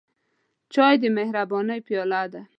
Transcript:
چای د مهربانۍ پیاله ده.